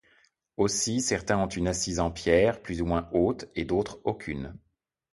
Aussi, certains ont une assise en pierre, plus ou moins haute et d'autres, aucune.